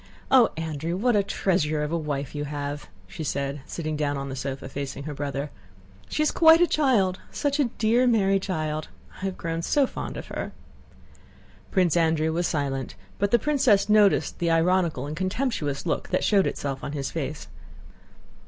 Oh, Andrew! What a treasure of a wife you have," said she, sitting down on the sofa, facing her brother. "She is quite a child: such a dear, merry child. I have grown so fond of her." Prince Andrew was silent, but the princess noticed the ironical and contemptuous look that showed itself on his face.